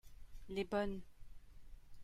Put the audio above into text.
les bonnes.